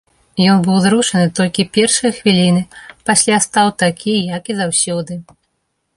Ён быў узрушаны толькі першыя хвіліны, пасля стаў такі, як і заўсёды.